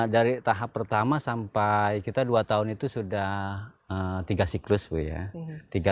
dari tahap pertama sampai kita dua tahun itu sudah tiga siklus ya